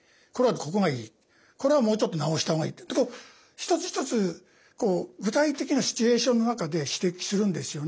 「これはもうちょっと直した方がいい」ってことを一つ一つ具体的なシチュエーションの中で指摘するんですよね。